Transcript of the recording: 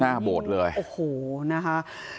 โบสถ์เลยโอ้โหนะคะ